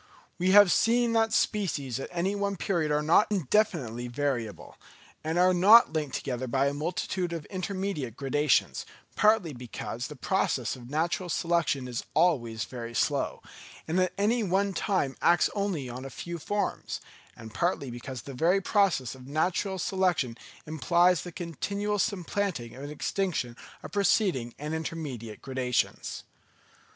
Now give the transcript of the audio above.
We have seen that species at any one period are not indefinitely variable, and are not linked together by a multitude of intermediate gradations, partly because the process of natural selection is always very slow, and at any one time acts only on a few forms; and partly because the very process of natural selection implies the continual supplanting and extinction of preceding and intermediate gradations.